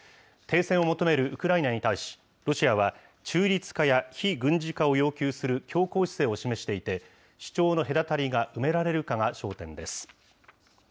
停戦を求めるウクライナに対し、ロシアは、中立化や非軍事化を要求する強硬姿勢を示していて、主張の隔たりが埋められるかが焦点です。